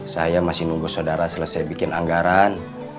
saya masih nunggu saudara selesai bikin anggaran